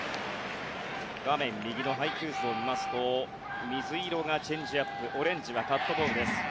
画面右の配球数を見ますと水色がチェンジアップオレンジはカットボールです。